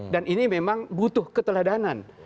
dan ini memang butuh keteladanan